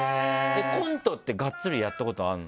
コントってがっつりやったことはあるの？